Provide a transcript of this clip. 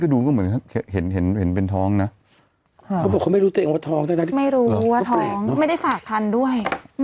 ดูว่าท้องไม่ได้ฝากพันธุ์ด้วย